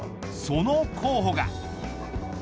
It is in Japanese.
その候補が。